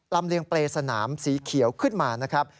เลียงเปรย์สนามสีเขียวขึ้นมานะครับ